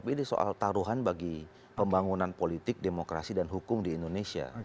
ini soal taruhan bagi pembangunan politik demokrasi dan hukum di indonesia